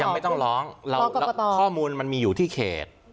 ไม่ต้องร้องข้อมูลมันมีอยู่ที่เขต